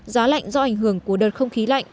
giá lạnh do ảnh hưởng của đợt không khí lạnh